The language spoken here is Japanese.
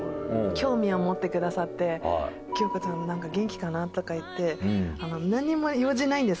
興味を持ってくださって京子ちゃん元気かな？とかいって。